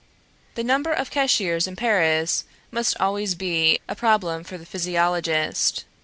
The number of cashiers in Paris must always be a problem for the physiologist.